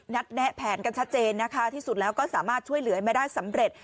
แนะแผนกันชัดเจนนะคะที่สุดแล้วก็สามารถช่วยเหลือมาได้สำเร็จ